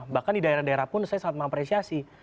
bahkan di daerah daerah pun saya sangat mengapresiasi